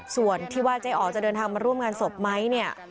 ส่วนที่ว่าเจ๊อ๋อจะเดินทางมาร่วมงานศพไหมเนี่ย